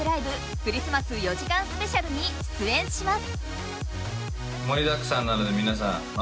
クリスマス４時間スペシャルに出演します。